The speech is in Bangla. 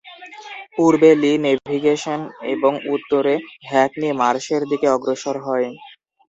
পূর্বে লি ন্যাভিগেশন এবং উত্তরে হ্যাকনি মার্শের দিকে অগ্রসর হয়।